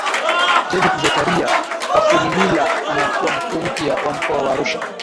David Zacharia Kafulila anakuwa Mkuu mpya wa mkoa wa Arusha